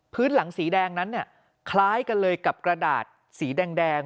พื้นหลังสีแดงนั้นเนี่ยคล้ายกันเลยกับกระดาษสีแดง